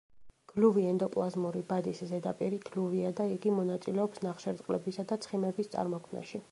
გლუვი ენდოპლაზმური ბადის ზედაპირი გლუვია და იგი მონაწილეობს ნახშირწყლებისა და ცხიმების წარმოქმნაში.